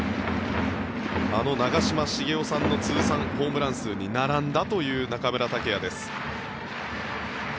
あの長嶋茂雄さんの通算ホームラン数に並んだという中村剛也です。